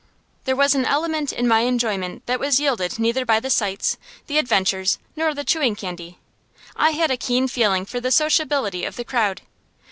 There was an element in my enjoyment that was yielded neither by the sights, the adventures, nor the chewing candy. I had a keen feeling for the sociability of the crowd.